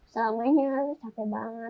selamanya capek banget